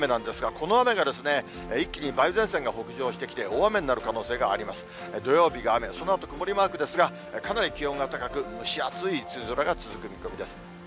そのあと曇りマークですが、かなり気温が高く、蒸し暑い梅雨空が続く見通しです。